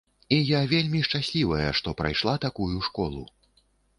І я вельмі шчаслівая, што прайшла такую школу.